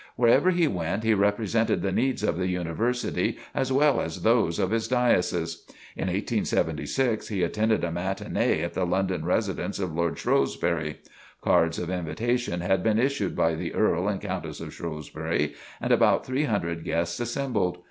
Wherever he went he represented the needs of the University as well as those of his Diocese. In 1876, he attended a "matinee" at the London residence of Lord Shrewsbury. Cards of invitation had been issued by the Earl and Countess of Shrewsbury and about three hundred guests assembled.